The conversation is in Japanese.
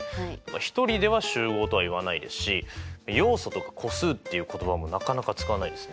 １人では集合とは言わないですし要素とか個数っていう言葉もなかなか使わないですね。